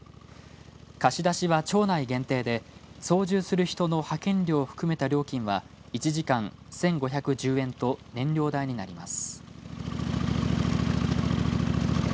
貸し出しは町内限定で操縦する人の派遣料を含めた料金は１時間１５１０円と燃料代になります。